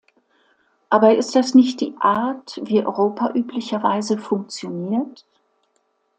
Aber ist das nicht die Art, wie Europa üblicherweise funktioniert?